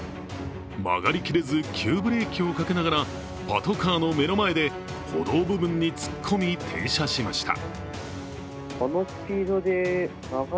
曲がりきれず急ブレーキをかけながらパトカーの目の前で歩道部分に突っ込み停車しました。